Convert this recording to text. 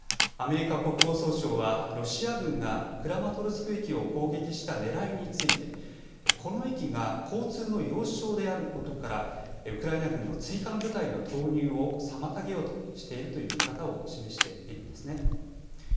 アメリカ国防総省はロシア軍がクラマトルスク駅を攻撃したねらいについて、この駅が交通の要衝であることから、ウクライナ軍の追加の部隊の投入を妨げようとしているという見方を示しているんですね。